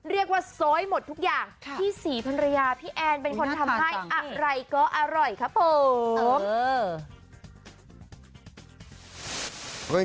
เรียกว่าโซยหมดทุกอย่างพี่ศรีภรรยาพี่แอนเป็นคนทำให้อะไรก็อร่อยครับผม